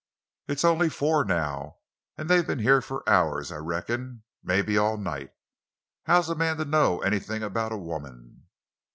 It's only four, now—an' they've been here for hours, I reckon—mebbe all night. How's a man to know anything about a woman?"